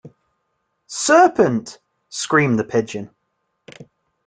‘Serpent!’ screamed the Pigeon.